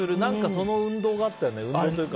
その運動があったよね。